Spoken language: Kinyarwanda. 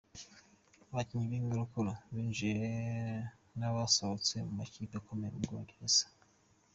Abakinnyi b’inkorokoro binjiye n’abasohotse mu makipe akomeye mu Bwongereza.